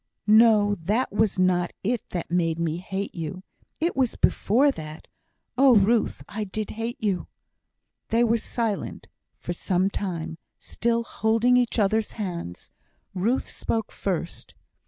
"No, that was not it that made me hate you. It was before that. Oh, Ruth, I did hate you!" They were silent for some time, still holding each other's hands. Ruth spoke first.